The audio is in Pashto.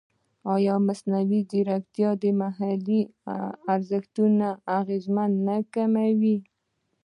ایا مصنوعي ځیرکتیا د محلي ارزښتونو اغېز نه کموي؟